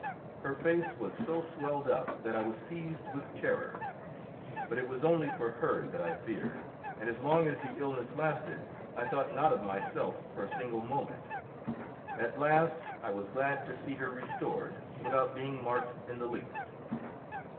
Her face was so swelled up that I was seized with terror. But it was only for her that I feared, and as long as the illness lasted I thought not of myself for a single moment. At last I was glad to see her restored without being marked in the least.